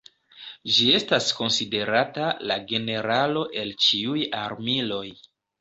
Ĝi estas konsiderata "La Generalo el ĉiuj Armiloj".